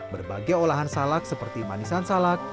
berbagai olahan salak seperti manisan salak